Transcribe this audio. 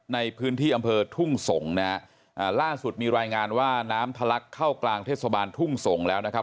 ในพื้นที่อำเภอทุ่งสงศ์นะฮะอ่าล่าสุดมีรายงานว่าน้ำทะลักเข้ากลางเทศบาลทุ่งสงศ์แล้วนะครับ